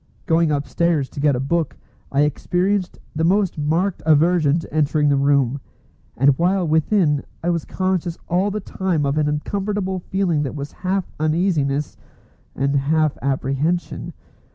Going upstairs to get a book, I experienced the most marked aversion to entering the room, and while within I was conscious all the time of an uncomfortable feeling that was half uneasiness and half apprehension.